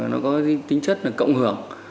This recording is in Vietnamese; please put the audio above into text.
nó có tính chất là cộng hưởng